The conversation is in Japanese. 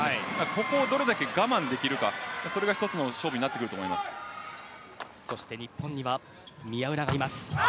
ここをどれだけ我慢できるかが一つの勝負になってくるとそして日本には宮浦がいます。